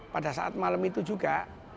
pada saat malam itu juga